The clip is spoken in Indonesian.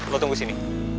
lo tunggu sini